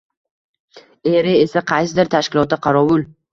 Eri esa qaysidir tashkilotda qorovul.